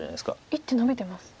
１手のびてます。